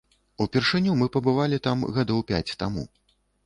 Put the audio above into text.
Упершыню мы пабывалі там гадоў пяць таму.